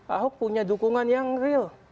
ahok punya dukungan yang real